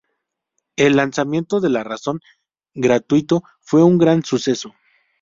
El lanzamiento de La Razón gratuito fue un gran suceso.